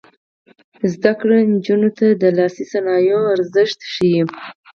زده کړه نجونو ته د لاسي صنایعو ارزښت ښيي.